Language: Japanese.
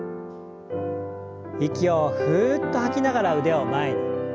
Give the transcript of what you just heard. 息をふっと吐きながら腕を前に。